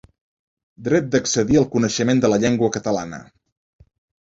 Dret d’accedir al coneixement de la llengua catalana.